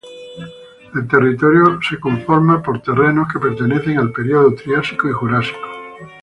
El territorio está conformado por terrenos que pertenecen al período triásico y jurásico.